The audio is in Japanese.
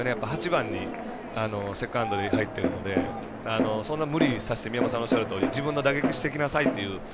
８番にセカンドに入っているのでそんな無理させて宮本さんがおっしゃるとおり自分の打撃、してきなさいという。